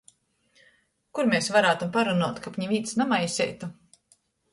Kur mes varātumem parunuot, kab nivīns namaiseitu?